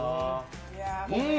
うん！